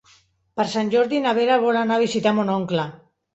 Per Sant Jordi na Vera vol anar a visitar mon oncle.